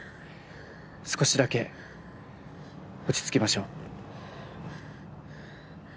少しだけ落ち着きましょう。